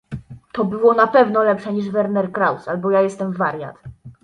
To było na pewno lepsze niż Werner Kraus, albo ja jestem wariat.